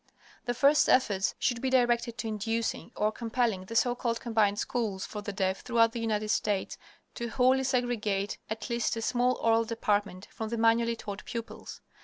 The first efforts should be directed to inducing, or compelling, the so called "Combined Schools" for the deaf throughout the United States to wholly segregate at least a small oral department from the manually taught pupils.